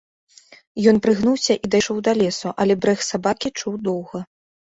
Ён прыгнуўся і дайшоў да лесу, але брэх сабакі чуў доўга.